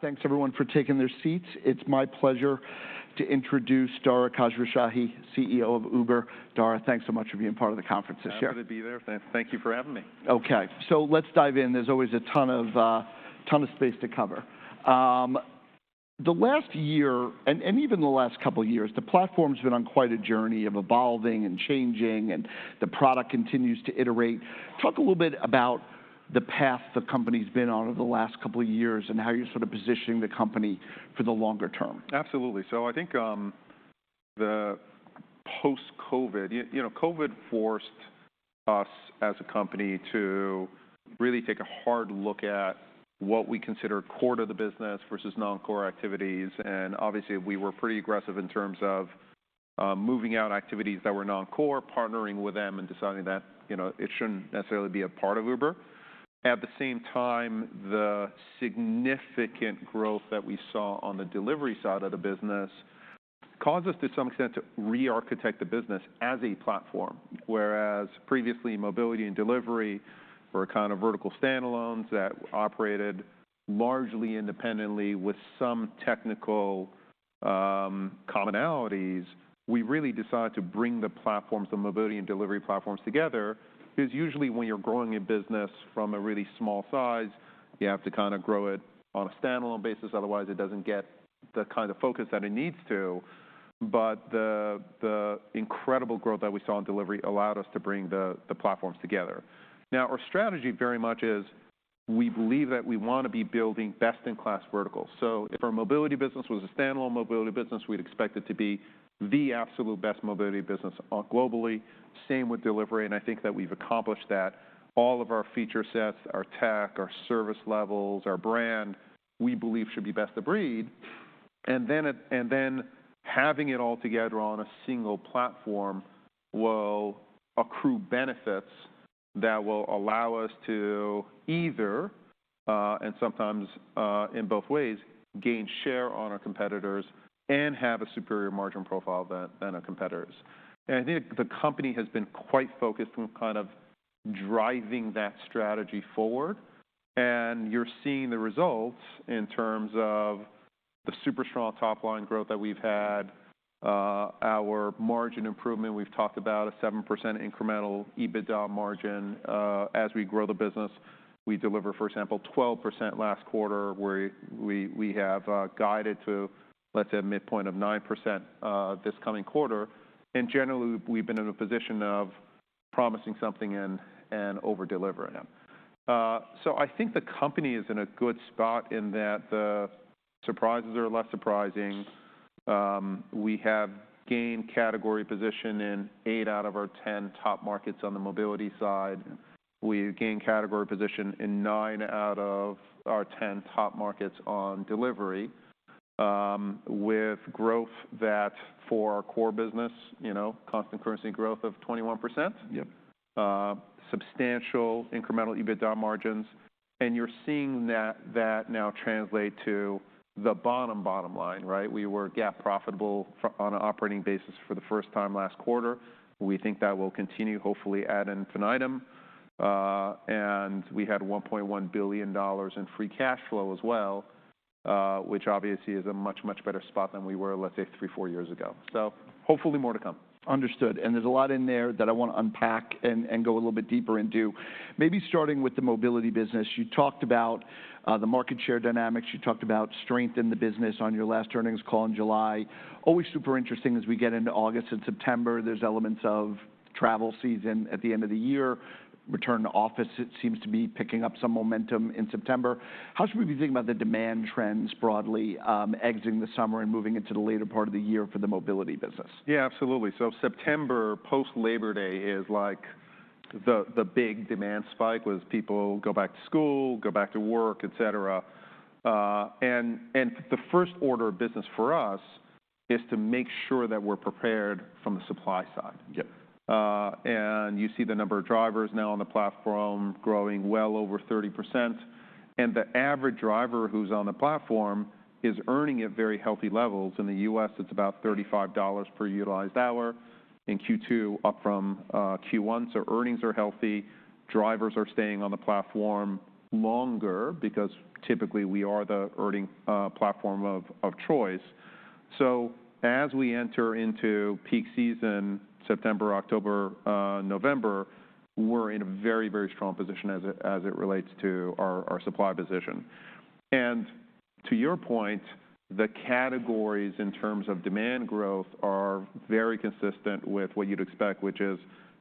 Thanks everyone for taking their seats. It's my pleasure to introduce Dara Khosrowshahi, CEO of Uber. Dara, thanks so much for being part of the conference this year. Happy to be here, thank you for having me. Okay, so let's dive in. There's always a ton of, ton of space to cover. The last year, and even the last couple of years, the platform's been on quite a journey of evolving and changing, and the product continues to iterate. Talk a little bit about the path the company's been on over the last couple of years, and how you're sort of positioning the company for the longer term. Absolutely. So I think, the post-COVID, you know, COVID forced us as a company to really take a hard look at what we consider core to the business versus non-core activities. And obviously, we were pretty aggressive in terms of, moving out activities that were non-core, partnering with them, and deciding that, you know, it shouldn't necessarily be a part of Uber. At the same time, the significant growth that we saw on the delivery side of the business caused us, to some extent, to re-architect the business as a platform. Whereas previously, mobility and delivery were kind of vertical standalones that operated largely independently with some technical, commonalities. We really decided to bring the platforms, the mobility and delivery platforms together, 'cause usually when you're growing a business from a really small size, you have to kind of grow it on a standalone basis, otherwise it doesn't get the kind of focus that it needs to. But the incredible growth that we saw in delivery allowed us to bring the platforms together. Now, our strategy very much is, we believe that we want to be building best-in-class verticals. So if our mobility business was a standalone mobility business, we'd expect it to be the absolute best mobility business globally. Same with delivery, and I think that we've accomplished that. All of our feature sets, our tech, our service levels, our brand, we believe should be best of breed. And then having it all together on a single platform will accrue benefits that will allow us to either, and sometimes, in both ways, gain share on our competitors and have a superior margin profile than our competitors. And I think the company has been quite focused on kind of driving that strategy forward, and you're seeing the results in terms of the super strong top-line growth that we've had. Our margin improvement, we've talked about a 7% incremental EBITDA margin. As we grow the business, we deliver, for example, 12% last quarter, where we have guided to, let's say, a midpoint of 9%, this coming quarter. And generally, we've been in a position of promising something and over-delivering it. So I think the company is in a good spot in that the surprises are less surprising. We have gained category position in eight out of our 10 top markets on the mobility side. We've gained category position in nine out of our 10 top markets on delivery, with growth that for our core business, you know, constant currency growth of 21%. Yep. Substantial incremental EBITDA margins, and you're seeing that now translate to the bottom line, right? We were GAAP profitable on an operating basis for the first time last quarter. We think that will continue, hopefully, adding non-GAAP items. And we had $1.1 billion in free cash flow as well, which obviously is a much, much better spot than we were, let's say, three, four years ago. So hopefully more to come. Understood. And there's a lot in there that I want to unpack and go a little bit deeper into. Maybe starting with the mobility business, you talked about the market share dynamics. You talked about strength in the business on your last earnings call in July. Always super interesting as we get into August and September, there's elements of travel season at the end of the year. Return to office, it seems to be picking up some momentum in September. How should we be thinking about the demand trends broadly, exiting the summer and moving into the later part of the year for the mobility business? Yeah, absolutely. So September, post-Labor Day, is, like, the big demand spike, was people go back to school, go back to work, et cetera. And the first order of business for us is to make sure that we're prepared from the supply side. Yep. You see the number of drivers now on the platform growing well over 30%, and the average driver who's on the platform is earning at very healthy levels. In the U.S., it's about $35 per utilized hour, in Q2, up from Q1. So earnings are healthy. Drivers are staying on the platform longer because typically we are the earning platform of choice. So as we enter into peak season, September, October, November, we're in a very, very strong position as it relates to our supply position. To your point, the categories in terms of demand growth are very consistent with what you'd expect, which is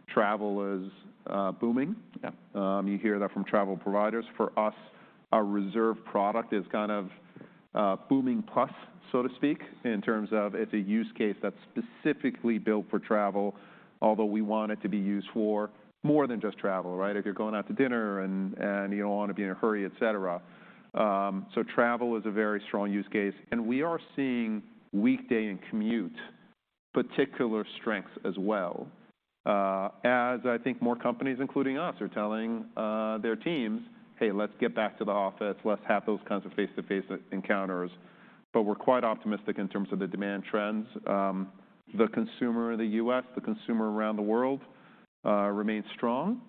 travel is booming. Yep. You hear that from travel providers. For us, our Reserve product is kind of booming plus, so to speak, in terms of it's a use case that's specifically built for travel, although we want it to be used for more than just travel, right? If you're going out to dinner and you don't want to be in a hurry, et cetera. So travel is a very strong use case, and we are seeing weekday and commute particular strengths as well, as I think more companies, including us, are telling their teams, "Hey, let's get back to the office. Let's have those kinds of face-to-face encounters." But we're quite optimistic in terms of the demand trends. The consumer in the U.S., the consumer around the world remains strong.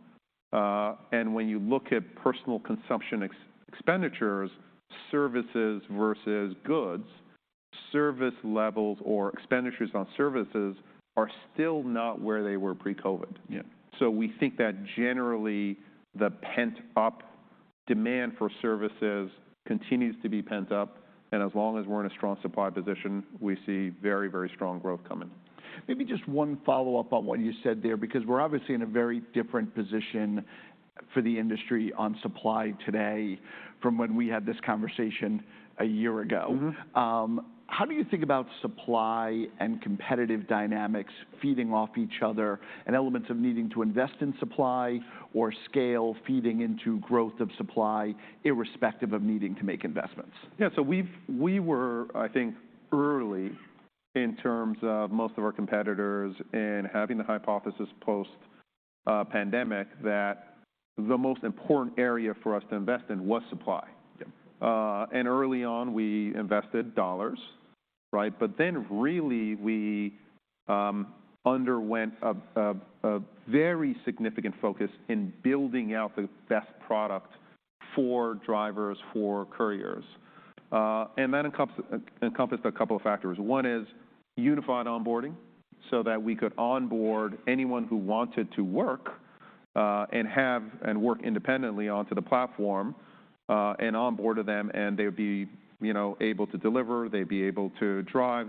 And when you look at personal consumption expenditures, services versus goods, service levels or expenditures on services are still not where they were pre-COVID. Yeah. We think that generally, the pent-up demand for services continues to be pent up, and as long as we're in a strong supply position, we see very, very strong growth coming. Maybe just one follow-up on what you said there, because we're obviously in a very different position for the industry on supply today from when we had this conversation a year ago. Mm-hmm. How do you think about supply and competitive dynamics feeding off each other, and elements of needing to invest in supply or scale feeding into growth of supply, irrespective of needing to make investments? Yeah, so we were, I think, early in terms of most of our competitors in having the hypothesis post pandemic that the most important area for us to invest in was supply. Yeah. Early on, we invested dollars, right? But then, really, we underwent a very significant focus in building out the best product for drivers, for couriers. And that encompassed a couple of factors. One is unified onboarding, so that we could onboard anyone who wanted to work, and have and work independently onto the platform, and onboarded them, and they'd be, you know, able to deliver, they'd be able to drive,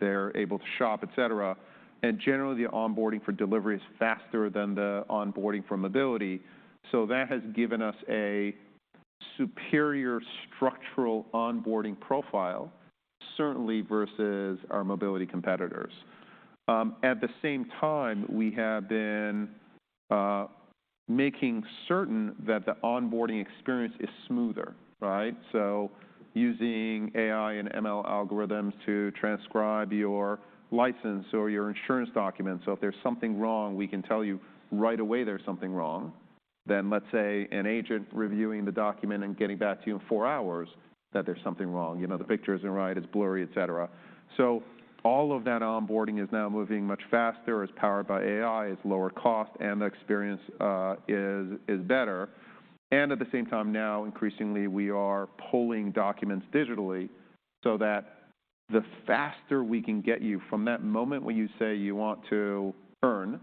they're able to shop, et cetera. And generally, the onboarding for delivery is faster than the onboarding for mobility, so that has given us a superior structural onboarding profile, certainly versus our mobility competitors. At the same time, we have been making certain that the onboarding experience is smoother, right? So using AI and ML algorithms to transcribe your license or your insurance documents, so if there's something wrong, we can tell you right away there's something wrong, than, let's say, an agent reviewing the document and getting back to you in four hours that there's something wrong. You know, the picture isn't right, it's blurry, et cetera. So all of that onboarding is now moving much faster, is powered by AI, is lower cost, and the experience is better. And at the same time now, increasingly, we are pulling documents digitally, so that the faster we can get you from that moment when you say you want to earn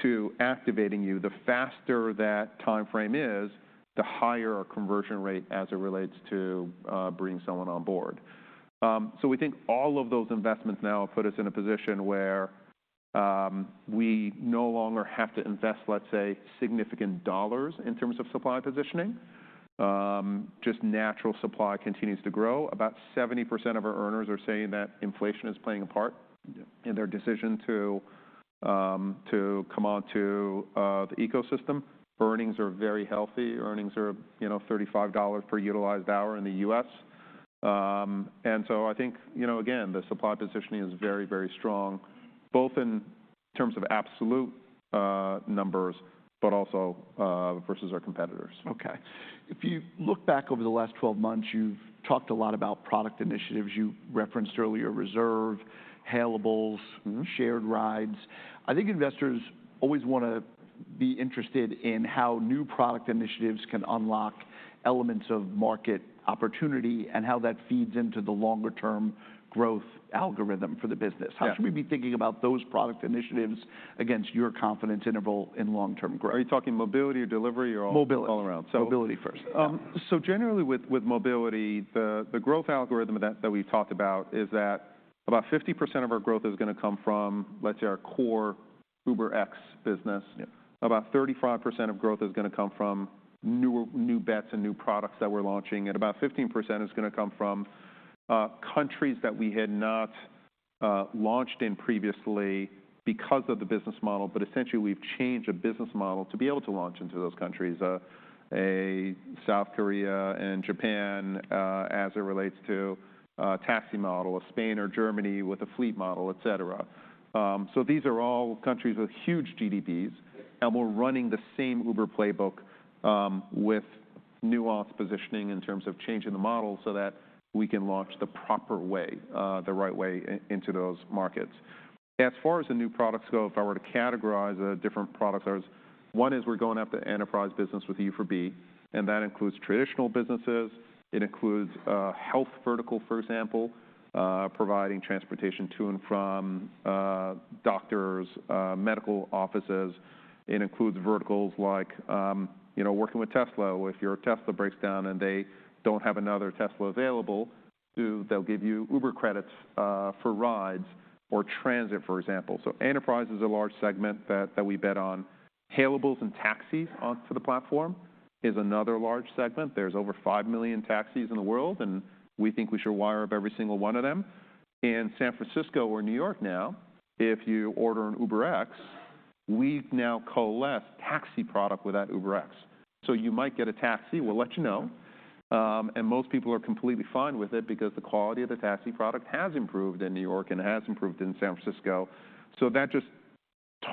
to activating you, the faster that time frame is, the higher our conversion rate as it relates to bringing someone on board. So we think all of those investments now put us in a position where we no longer have to invest, let's say, significant dollars in terms of supply positioning. Just natural supply continues to grow. About 70% of our earners are saying that inflation is playing a part- Yeah... in their decision to, to come onto, the ecosystem. Earnings are very healthy. Earnings are, you know, $35 per utilized hour in the U.S. And so I think, you know, again, the supply positioning is very, very strong, both in terms of absolute, numbers, but also, versus our competitors. Okay. If you look back over the last 12 months, you've talked a lot about product initiatives. You referenced earlier Reserve, Hailables- Mm-hmm... shared rides. I think investors always wanna be interested in how new product initiatives can unlock elements of market opportunity, and how that feeds into the longer-term growth algorithm for the business. Yeah. How should we be thinking about those product initiatives against your confidence interval in long-term growth? Are you talking mobility or delivery or? Mobility... all around? Mobility first. So generally, with mobility, the growth algorithm that we've talked about is that about 50% of our growth is gonna come from, let's say, our core UberX business. Yeah. About 35% of growth is gonna come from new bets and new products that we're launching, and about 15% is gonna come from countries that we had not launched in previously because of the business model, but essentially, we've changed the business model to be able to launch into those countries. South Korea and Japan, as it relates to a taxi model, Spain or Germany with a fleet model, et cetera. So these are all countries with huge GDPs- Yeah... and we're running the same Uber playbook, with nuanced positioning in terms of changing the model so that we can launch the proper way, the right way into those markets. As far as the new products go, if I were to categorize the different products, there's one is we're going after the enterprise business with Uber for Business, and that includes traditional businesses. It includes health vertical, for example, providing transportation to and from doctors, medical offices. It includes verticals like, you know, working with Tesla. If your Tesla breaks down, and they don't have another Tesla available, they'll give you Uber credits for rides or transit, for example. So enterprise is a large segment that we bet on. Hailables and taxis onto the platform is another large segment. There's over five million taxis in the world, and we think we should wire up every single one of them. In San Francisco or New York now, if you order an UberX, we've now coalesced taxi product with that UberX. So you might get a taxi, we'll let you know, and most people are completely fine with it because the quality of the taxi product has improved in New York and has improved in San Francisco. So that just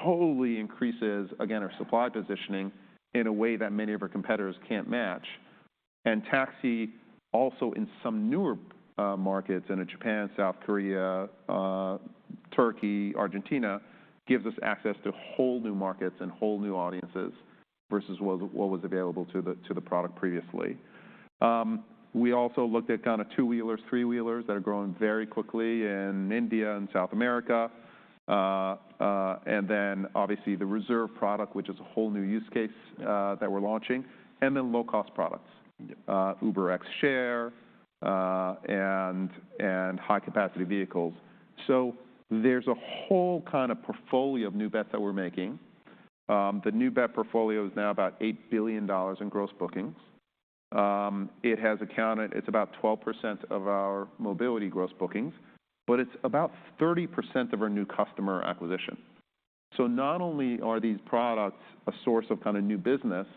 totally increases, again, our supply positioning in a way that many of our competitors can't match.... and taxi also in some newer markets and in Japan, South Korea, Turkey, Argentina, gives us access to whole new markets and whole new audiences versus what, what was available to the, to the product previously. We also looked at kind of two-wheelers, three-wheelers that are growing very quickly in India and South America, and then obviously, the reserve product, which is a whole new use case, that we're launching, and then low-cost products, UberX Share, and, and high-capacity vehicles. So there's a whole kind of portfolio of new bets that we're making. The new bet portfolio is now about $8 billion in gross bookings. It's about 12% of our mobility gross bookings, but it's about 30% of our new customer acquisition. So not only are these products a source of kind of new business,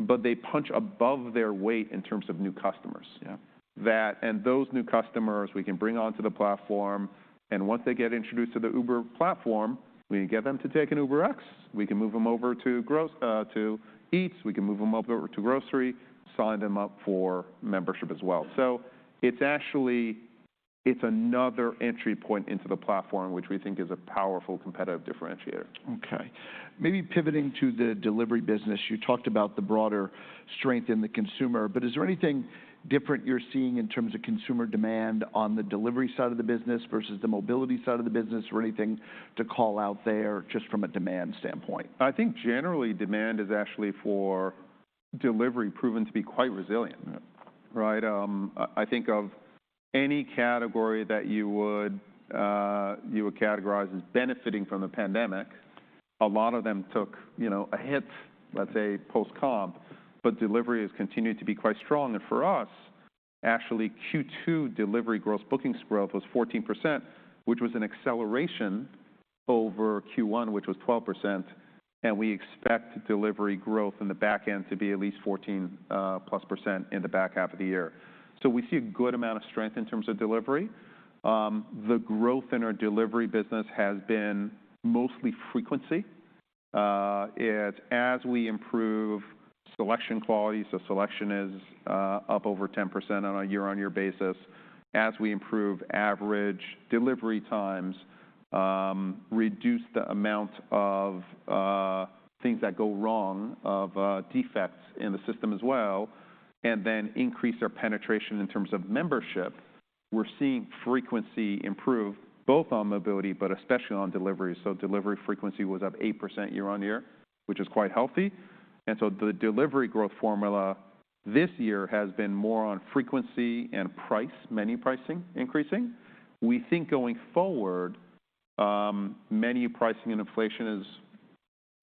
but they punch above their weight in terms of new customers. Yeah. That, and those new customers we can bring onto the platform, and once they get introduced to the Uber platform, we can get them to take an UberX. We can move them over to Eats. We can move them over to Grocery, sign them up for membership as well. So it's actually, it's another entry point into the platform, which we think is a powerful competitive differentiator. Okay. Maybe pivoting to the delivery business, you talked about the broader strength in the consumer, but is there anything different you're seeing in terms of consumer demand on the delivery side of the business versus the mobility side of the business, or anything to call out there, just from a demand standpoint? I think generally, demand is actually for delivery proven to be quite resilient. Yeah. Right? I, I think of any category that you would you would categorize as benefiting from the pandemic, a lot of them took, you know, a hit, let's say, post-COVID, but delivery has continued to be quite strong. And for us, actually, Q2 delivery gross bookings growth was 14%, which was an acceleration over Q1, which was 12%, and we expect delivery growth in the back end to be at least 14%+ in the back half of the year. So we see a good amount of strength in terms of delivery. The growth in our delivery business has been mostly frequency. As we improve selection quality, so selection is up over 10% on a year-over-year basis, as we improve average delivery times, reduce the amount of things that go wrong, of defects in the system as well, and then increase our penetration in terms of membership, we're seeing frequency improve, both on mobility, but especially on delivery. So delivery frequency was up 8% year-over-year, which is quite healthy, and so the delivery growth formula this year has been more on frequency and price, menu pricing, increasing. We think going forward, menu pricing and inflation is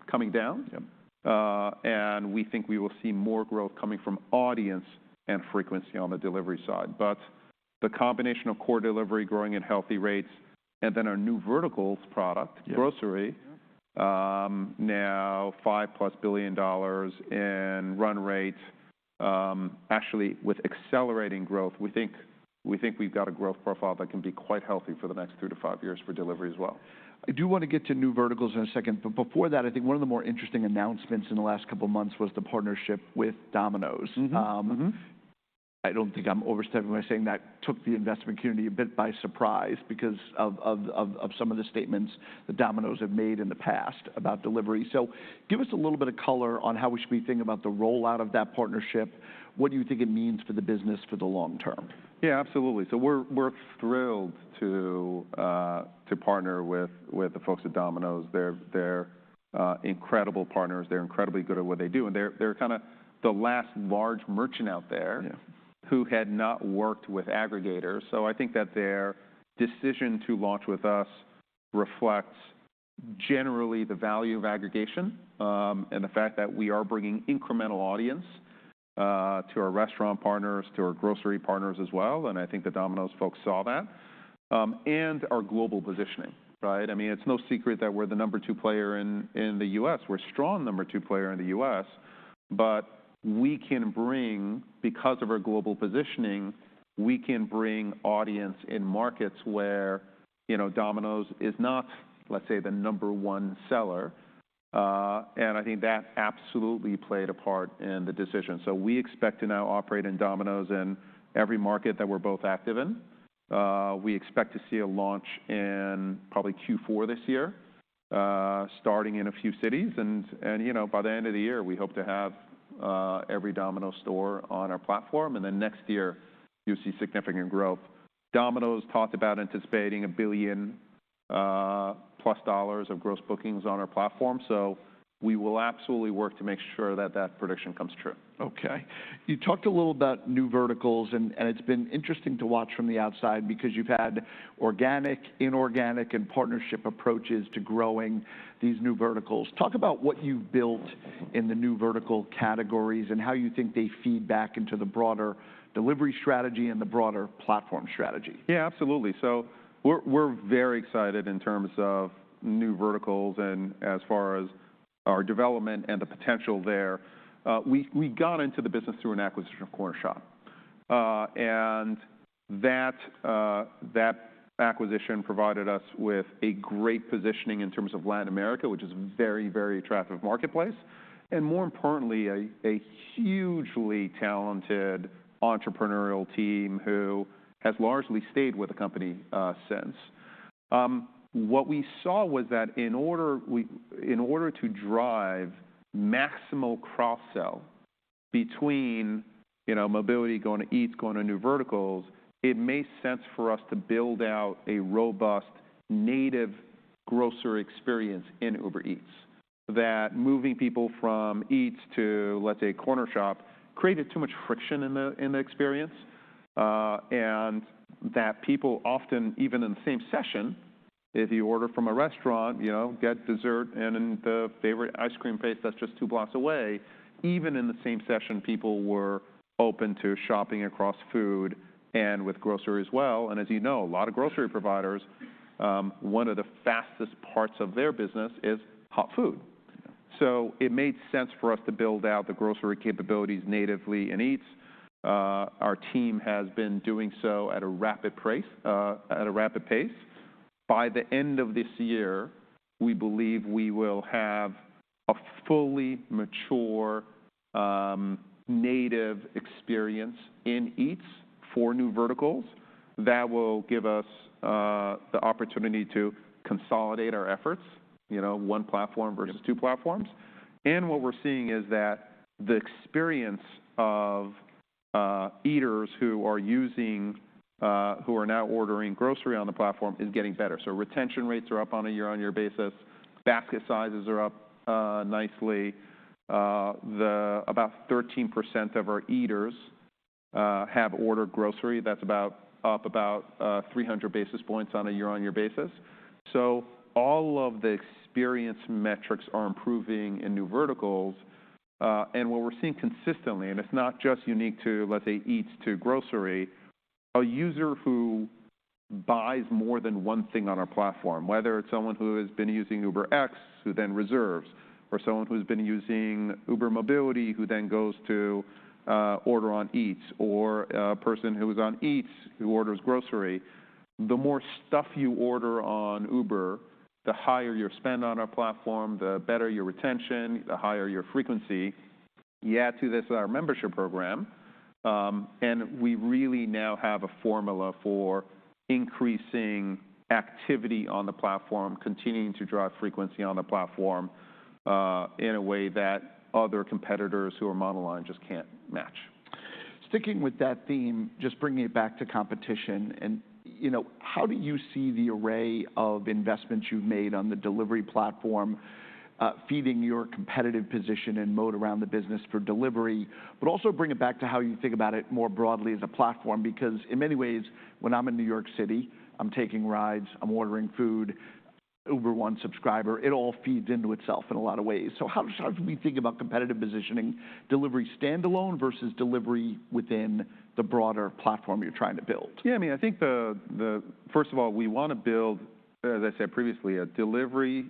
coming down. Yeah. and we think we will see more growth coming from audience and frequency on the delivery side. But the combination of core delivery growing at healthy rates and then our new verticals product- Yeah ...Grocery, now $5+ billion in run rate, actually, with accelerating growth, we think, we think we've got a growth profile that can be quite healthy for the next 3-5 years for delivery as well. I do want to get to new verticals in a second, but before that, I think one of the more interesting announcements in the last couple of months was the partnership with Domino's. Mm-hmm. Mm-hmm. I don't think I'm overstepping by saying that took the investment community a bit by surprise because of some of the statements that Domino's have made in the past about delivery. So give us a little bit of color on how we should be thinking about the rollout of that partnership. What do you think it means for the business for the long term? Yeah, absolutely. So we're thrilled to partner with the folks at Domino's. They're incredible partners. They're incredibly good at what they do, and they're kind of the last large merchant out there- Yeah ... who had not worked with aggregators. So I think that their decision to launch with us reflects generally the value of aggregation, and the fact that we are bringing incremental audience to our restaurant partners, to our grocery partners as well, and I think the Domino's folks saw that, and our global positioning, right? I mean, it's no secret that we're the number two player in, in the U.S. We're a strong number two player in the U.S., but we can bring... Because of our global positioning, we can bring audience in markets where, you know, Domino's is not, let's say, the number one seller, and I think that absolutely played a part in the decision. So we expect to now operate in Domino's in every market that we're both active in. We expect to see a launch in probably Q4 this year, starting in a few cities, and, and, you know, by the end of the year, we hope to have every Domino's store on our platform, and then next year, you'll see significant growth. Domino's talked about anticipating $1 billion+ of Gross Bookings on our platform, so we will absolutely work to make sure that that prediction comes true. Okay. You talked a little about new verticals, and it's been interesting to watch from the outside because you've had organic, inorganic, and partnership approaches to growing these new verticals. Talk about what you've built in the new vertical categories and how you think they feed back into the broader delivery strategy and the broader platform strategy. Yeah, absolutely. So we're very excited in terms of new verticals and as far as our development and the potential there. We got into the business through an acquisition of Cornershop, and that acquisition provided us with a great positioning in terms of Latin America, which is a very, very attractive marketplace, and more importantly, a hugely talented entrepreneurial team who has largely stayed with the company since. What we saw was that in order to drive maximal cross-sell between, you know, mobility going to Eats, going to new verticals, it made sense for us to build out a robust native grocery experience in Uber Eats. That moving people from Eats to, let's say, Cornershop, created too much friction in the, in the experience, and that people often, even in the same session, if you order from a restaurant, you know, get dessert and in the favorite ice cream place that's just two blocks away, even in the same session, people were open to shopping across food and with grocery as well. And as you know, a lot of grocery providers, one of the fastest parts of their business is hot food. So it made sense for us to build out the grocery capabilities natively in Eats. Our team has been doing so at a rapid pace, at a rapid pace. By the end of this year, we believe we will have a fully mature native experience in Eats for new verticals that will give us the opportunity to consolidate our efforts, you know, one platform versus two platforms. What we're seeing is that the experience of eaters who are using who are now ordering grocery on the platform is getting better. Retention rates are up on a year-on-year basis, basket sizes are up nicely. About 13% of our eaters have ordered grocery. That's up about 300 basis points on a year-on-year basis. So all of the experience metrics are improving in new verticals, and what we're seeing consistently, and it's not just unique to, let's say, Eats to grocery, a user who buys more than one thing on our platform, whether it's someone who has been using UberX, who then reserves, or someone who's been using Uber Mobility, who then goes to, order on Eats, or, a person who is on Eats, who orders grocery, the more stuff you order on Uber, the higher your spend on our platform, the better your retention, the higher your frequency. You add to this our membership program, and we really now have a formula for increasing activity on the platform, continuing to drive frequency on the platform, in a way that other competitors who are monoline just can't match. Sticking with that theme, just bringing it back to competition and, you know, how do you see the array of investments you've made on the delivery platform, feeding your competitive position and moat around the business for delivery? But also bring it back to how you think about it more broadly as a platform, because in many ways, when I'm in New York City, I'm taking rides, I'm ordering food, Uber One subscriber, it all feeds into itself in a lot of ways. So how do we think about competitive positioning, delivery standalone versus delivery within the broader platform you're trying to build? Yeah, I mean, I think the first of all, we wanna build, as I said previously, a delivery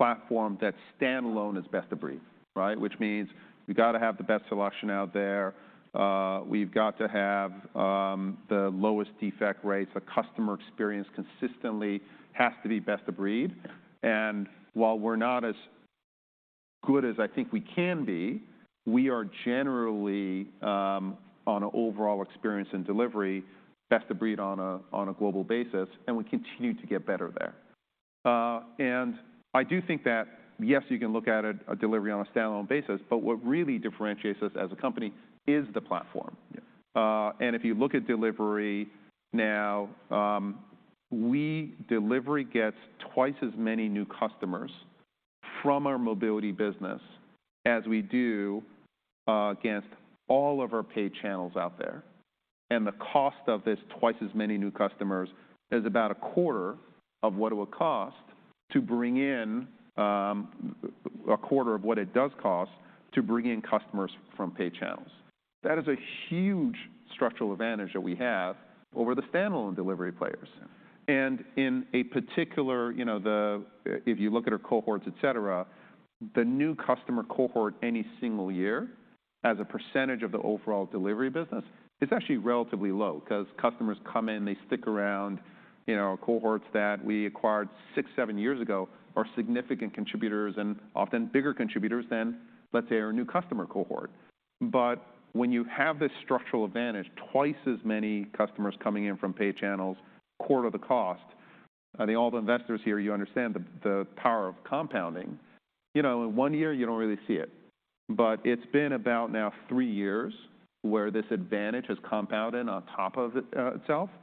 platform that's standalone as best-of-breed, right? Which means we've got to have the best selection out there, we've got to have the lowest defect rates. The customer experience consistently has to be best-of-breed. And while we're not as good as I think we can be, we are generally on an overall experience in delivery, best-of-breed on a global basis, and we continue to get better there. And I do think that, yes, you can look at a delivery on a standalone basis, but what really differentiates us as a company is the platform. Yeah. If you look at delivery now, delivery gets twice as many new customers from our mobility business as we do against all of our paid channels out there. The cost of this twice as many new customers is about a quarter of what it would cost to bring in, a quarter of what it does cost to bring in customers from paid channels. That is a huge structural advantage that we have over the standalone delivery players. Yeah. In particular, you know, if you look at our cohorts, etc., the new customer cohort any single year as a percentage of the overall delivery business, it's actually relatively low because customers come in, they stick around. You know, cohorts that we acquired six, seven years ago are significant contributors and often bigger contributors than, let's say, our new customer cohort. But when you have this structural advantage, twice as many customers coming in from paid channels, quarter the cost, I think all the investors here, you understand the power of compounding. You know, in one year you don't really see it, but it's been about now three years where this advantage has compounded on top of itself, and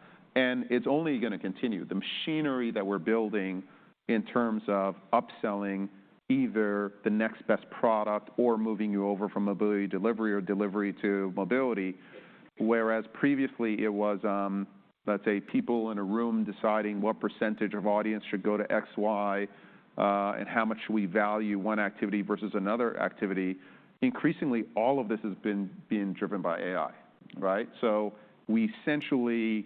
it's only gonna continue. The machinery that we're building in terms of upselling either the next best product or moving you over from mobility to delivery or delivery to mobility, whereas previously it was, let's say, people in a room deciding what percentage of audience should go to XY, and how much we value one activity versus another activity. Increasingly, all of this has been being driven by AI, right? So we essentially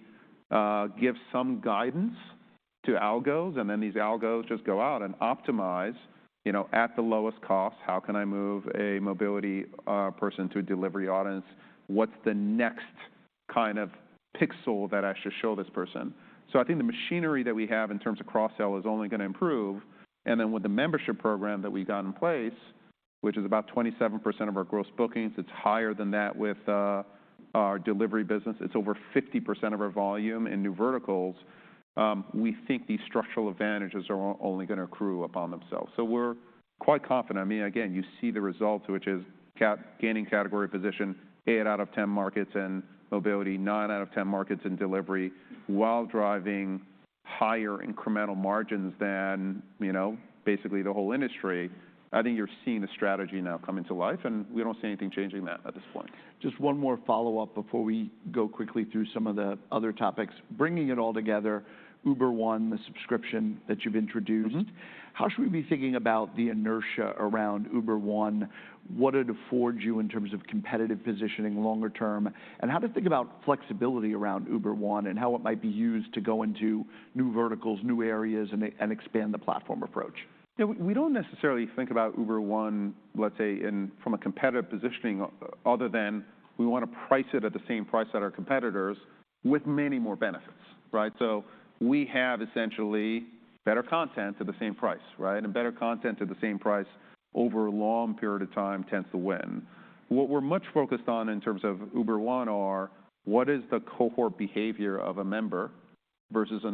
give some guidance to algos, and then these algos just go out and optimize, you know, at the lowest cost, how can I move a mobility person to a delivery audience? What's the next kind of pixel that I should show this person? So I think the machinery that we have in terms of cross-sell is only gonna improve, and then with the membership program that we got in place, which is about 27% of our gross bookings, it's higher than that with our delivery business. It's over 50% of our volume in new verticals, we think these structural advantages are only gonna accrue upon themselves. So we're quite confident. I mean, again, you see the results, which is gaining category position, eight out of 10 markets in mobility, nine out of 10 markets in delivery, while driving higher incremental margins than, you know, basically the whole industry. I think you're seeing the strategy now coming to life, and we don't see anything changing that at this point. Just one more follow-up before we go quickly through some of the other topics. Bringing it all together, Uber One, the subscription that you've introduced- Mm-hmm. How should we be thinking about the inertia around Uber One? What it affords you in terms of competitive positioning longer term, and how to think about flexibility around Uber One, and how it might be used to go into new verticals, new areas, and they, and expand the platform approach? Yeah, we don't necessarily think about Uber One, let's say, in terms of a competitive positioning other than we wanna price it at the same price as our competitors with many more benefits, right? So we have essentially better content at the same price, right? And better content at the same price over a long period of time tends to win. What we're much focused on in terms of Uber One are, what is the cohort behavior of a member versus a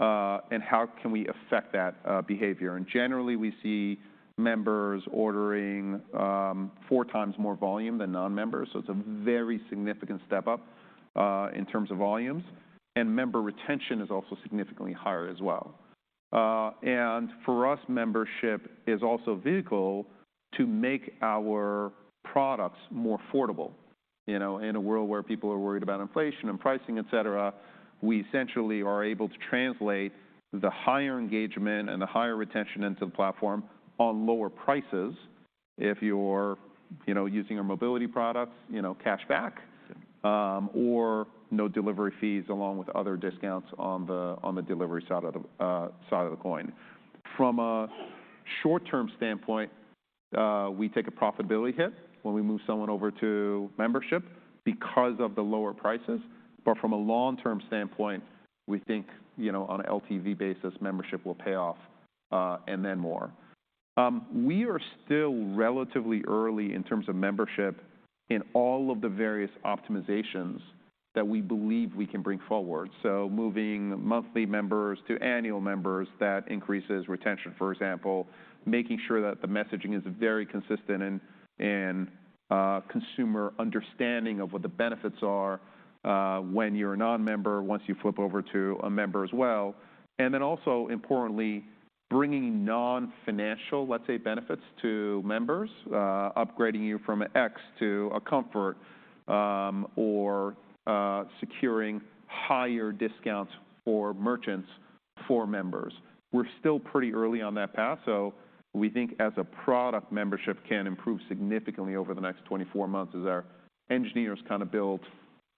non-member? Yep. How can we affect that behavior? Generally, we see members ordering four times more volume than non-members, so it's a very significant step up in terms of volumes, and member retention is also significantly higher as well. For us, membership is also a vehicle to make our products more affordable. You know, in a world where people are worried about inflation and pricing, et cetera, we essentially are able to translate the higher engagement and the higher retention into the platform on lower prices. If you're, you know, using our mobility products, you know, cash back or no delivery fees, along with other discounts on the delivery side of the coin. From a short-term standpoint, we take a profitability hit when we move someone over to membership because of the lower prices, but from a long-term standpoint, we think, you know, on an LTV basis, membership will pay off, and then more. We are still relatively early in terms of membership in all of the various optimizations that we believe we can bring forward, so moving monthly members to annual members, that increases retention, for example. Making sure that the messaging is very consistent and consumer understanding of what the benefits are, when you're a non-member, once you flip over to a member as well. And then also, importantly, bringing non-financial, let's say, benefits to members. Upgrading you from an X to a Comfort, or securing higher discounts for merchants, for members. We're still pretty early on that path, so we think as a product, membership can improve significantly over the next 24 months as our engineers kind of build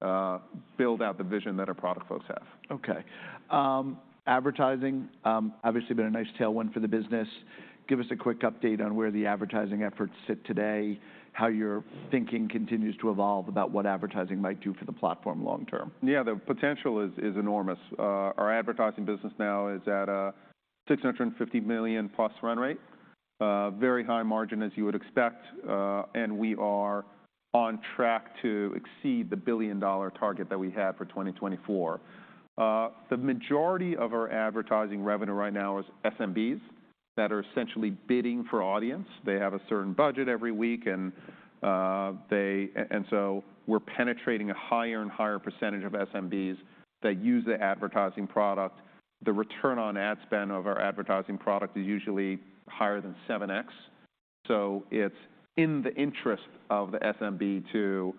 out the vision that our product folks have. Okay. Advertising obviously been a nice tailwind for the business. Give us a quick update on where the advertising efforts sit today, how your thinking continues to evolve about what advertising might do for the platform long term. Yeah, the potential is enormous. Our advertising business now is at a $650 million+ run rate. Very high margin, as you would expect, and we are on track to exceed the $1 billion target that we had for 2024. The majority of our advertising revenue right now is SMBs, that are essentially bidding for audience. They have a certain budget every week, and so we're penetrating a higher and higher percentage of SMBs that use the advertising product. The return on ad spend of our advertising product is usually higher than 7x, so it's in the interest of the SMB to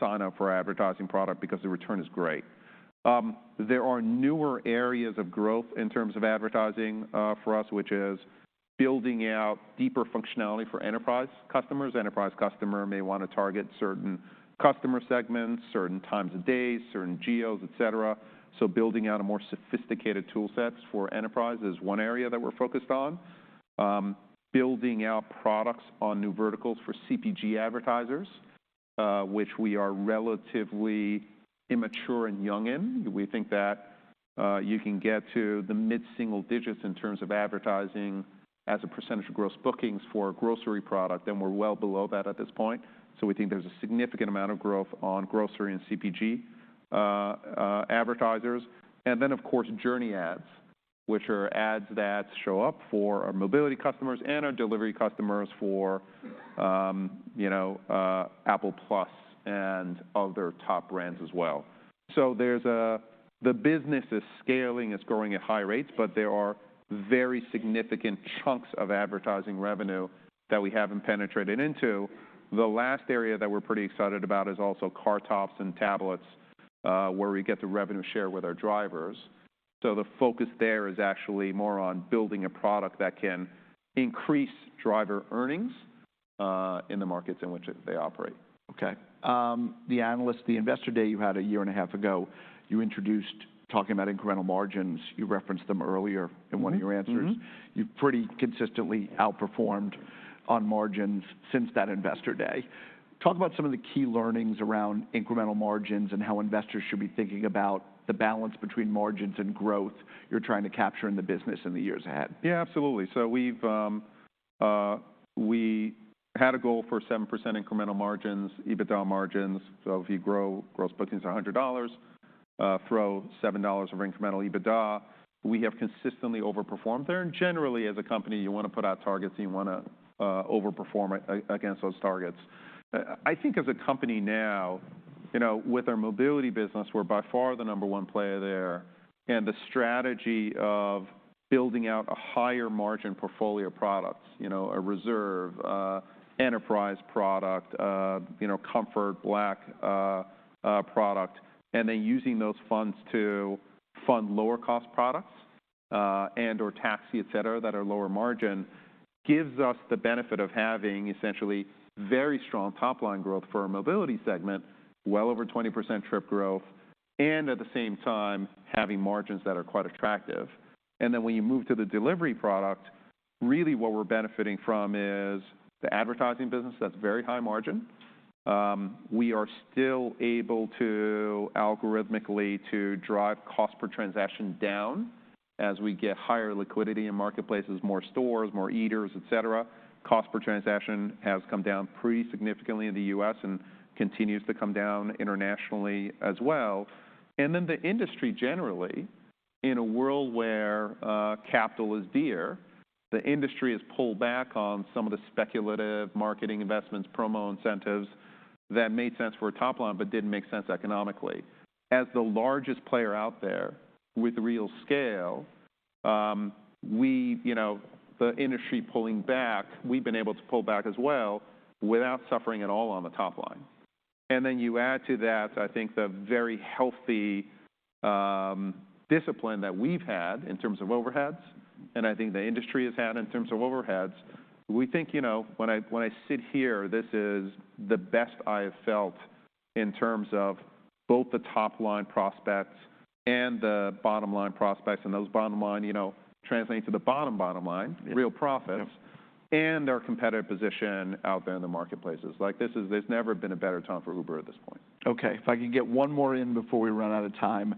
sign up for our advertising product because the return is great. There are newer areas of growth in terms of advertising for us, which is building out deeper functionality for enterprise customers. Enterprise customer may wanna target certain customer segments, certain times of day, certain geos, et cetera, so building out a more sophisticated tool sets for enterprise is one area that we're focused on. Building out products on new verticals for CPG advertisers, which we are relatively immature and young in. We think that you can get to the mid-single digits in terms of advertising as a percentage of gross bookings for a grocery product, and we're well below that at this point. So we think there's a significant amount of growth on grocery and CPG advertisers. And then, of course, Journey Ads, which are ads that show up for our mobility customers and our delivery customers for, you know, Apple+ and other top brands as well. So the business is scaling, it's growing at high rates, but there are very significant chunks of advertising revenue that we haven't penetrated into. The last area that we're pretty excited about is also car tops and tablets, where we get the revenue share with our drivers. So the focus there is actually more on building a product that can increase driver earnings in the markets in which they operate. Okay. The analyst, the investor day you had a year and a half ago, you introduced talking about incremental margins. You referenced them earlier- Mm-hmm in one of your answers. Mm-hmm. You've pretty consistently outperformed on margins since that investor day. Talk about some of the key learnings around incremental margins, and how investors should be thinking about the balance between margins and growth you're trying to capture in the business in the years ahead? Yeah, absolutely. So we've, we had a goal for 7% incremental margins, EBITDA margins. So if you grow, gross bookings are $100, throw $7 of incremental EBITDA. We have consistently overperformed there, and generally, as a company, you wanna put out targets, and you wanna, overperform against those targets. I think as a company now, you know, with our mobility business, we're by far the number one player there, and the strategy of building out a higher margin portfolio of products, you know, a reserve, enterprise product, you know, comfort, black, product, and then using those funds to fund lower-cost products, and/or taxi, et cetera, that are lower margin, gives us the benefit of having essentially very strong top-line growth for our mobility segment, well over 20% trip growth, and at the same time, having margins that are quite attractive. Then, when you move to the delivery product, really what we're benefiting from is the advertising business that's very high margin. We are still able to algorithmically to drive cost per transaction down as we get higher liquidity in marketplaces, more stores, more eaters, et cetera. Cost per transaction has come down pretty significantly in the U.S. and continues to come down internationally as well. And then, the industry generally, in a world where, capital is dear, the industry has pulled back on some of the speculative marketing investments, promo incentives that made sense for a top line but didn't make sense economically. As the largest player out there with real scale, we, you know, the industry pulling back, we've been able to pull back as well without suffering at all on the top line. And then you add to that, I think, the very healthy, discipline that we've had in terms of overheads, and I think the industry has had in terms of overheads. We think, you know, when I, when I sit here, this is the best I have felt in terms of both the top-line prospects and the bottom-line prospects, and those bottom line, you know, translate to the bottom, bottom line. Yeah... real profits- Yep and our competitive position out there in the marketplaces. Like, this is. There's never been a better time for Uber at this point. Okay, if I can get one more in before we run out of time.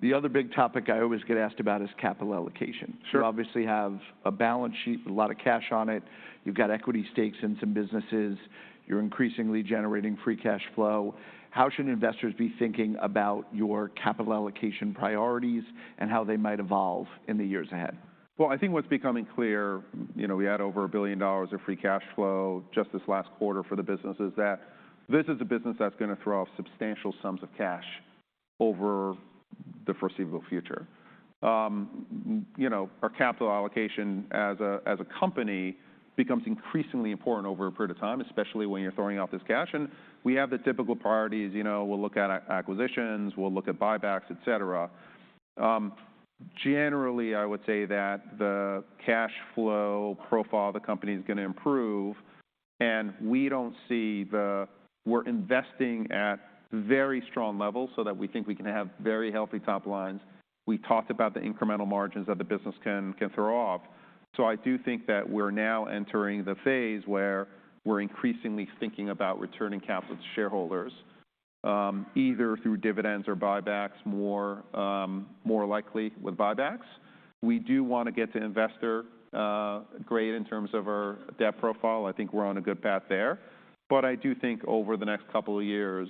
The other big topic I always get asked about is capital allocation. Sure. You obviously have a balance sheet with a lot of cash on it. You've got equity stakes in some businesses. You're increasingly generating Free Cash Flow. How should investors be thinking about your capital allocation priorities and how they might evolve in the years ahead? Well, I think what's becoming clear, you know, we had over $1 billion of free cash flow just this last quarter for the business, is that this is a business that's gonna throw off substantial sums of cash over the foreseeable future. You know, our capital allocation as a company becomes increasingly important over a period of time, especially when you're throwing out this cash, and we have the typical priorities. You know, we'll look at acquisitions, we'll look at buybacks, et cetera. Generally, I would say that the cash flow profile of the company is gonna improve, and we don't see the... We're investing at very strong levels so that we think we can have very healthy top lines. We talked about the incremental margins that the business can throw off. So I do think that we're now entering the phase where we're increasingly thinking about returning capital to shareholders, either through dividends or buybacks, more, more likely with buybacks. We do wanna get to investor grade in terms of our debt profile. I think we're on a good path there, but I do think over the next couple of years,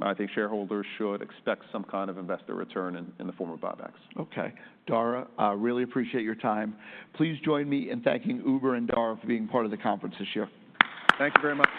I think shareholders should expect some kind of investor return in the form of buybacks. Okay. Dara, I really appreciate your time. Please join me in thanking Uber and Dara for being part of the conference this year. Thank you very much.